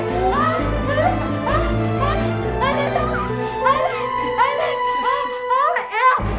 itu bukan air panas